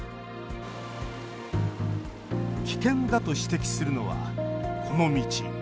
危険だと指摘するのは、この道。